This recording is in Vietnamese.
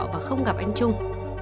và không gặp anh trung